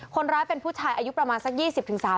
คนร้ายเป็นผู้ชายอายุประมาณสัก๒๐๓๐